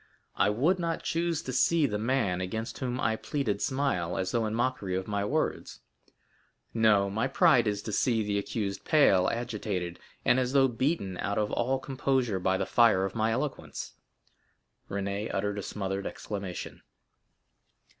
I would not choose to see the man against whom I pleaded smile, as though in mockery of my words. No; my pride is to see the accused pale, agitated, and as though beaten out of all composure by the fire of my eloquence." Renée uttered a smothered exclamation.